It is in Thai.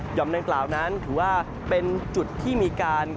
หย่อมนั้นกล่าวนั้นถือว่าเป็นจุดที่มีการ